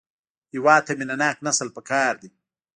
هېواد ته مینهناک نسل پکار دی